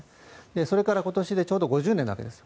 それから今年でちょうど５０年のわけです。